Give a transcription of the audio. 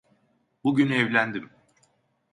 Bugün evlendim.